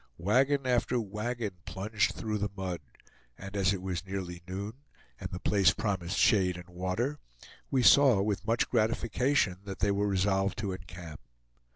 Wagon after wagon plunged through the mud; and as it was nearly noon, and the place promised shade and water, we saw with much gratification that they were resolved to encamp.